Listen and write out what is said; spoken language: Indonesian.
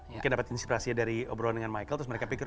mungkin dapat inspirasi dari obrolan dengan michael terus mereka pikir